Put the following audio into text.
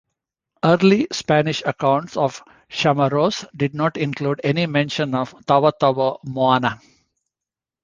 Early Spanish accounts of Chamorros did not include any mention of Taotao Mo'na.